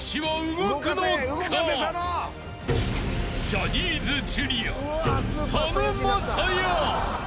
［ジャニーズＪｒ．佐野晶哉］